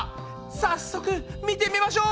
早速見てみましょう！